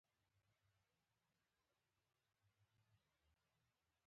چی څومره نيت وي هغومره دولت وي .